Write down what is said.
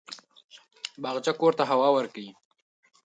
باغچه کور ته هوا ورکوي.